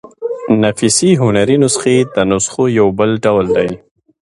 نفیسي هنري نسخې د نسخو يو بل ډول دﺉ.